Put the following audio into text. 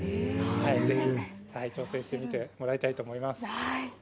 ぜひ挑戦してもらいたいと思います。